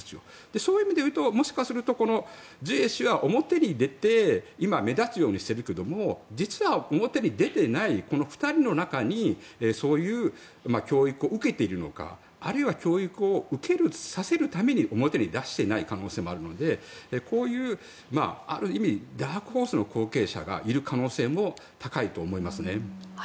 そういう意味でいうともしかしたらジュエ氏は表に出て今、目立つようにしているけど実は表に出ていないこの２人の中にそういう教育を受けているのかあるいは教育を受けさせるために表に出してない可能性もあるのでこういうある意味ダークホースの後継者がいる可能性も高いと思いますね。